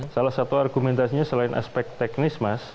salah satu argumentasinya selain aspek teknis mas